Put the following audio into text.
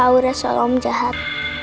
aura soal om jahat